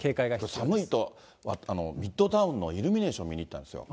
寒いとミッドタウンのイルミネーション見にいったんですよ。